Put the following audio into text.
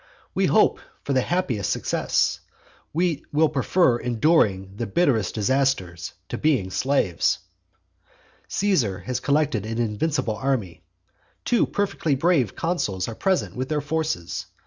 We hope for the happiest success; we will prefer enduring the bitterest disaster to being slaves. Caesar has collected an invincible army. Two perfectly brave consuls are present with their forces.